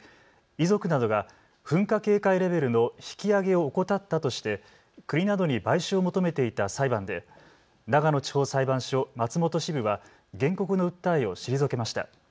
遺族などが噴火警戒レベルの引き上げを怠ったとして国などに賠償を求めていた裁判で長野地方裁判所松本支部は原告の訴えを退けました。